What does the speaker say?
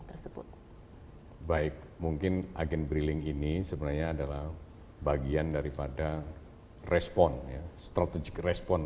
tersebut baik mungkin agen briling ini sebenarnya adalah bagian daripada respon ya strategic respon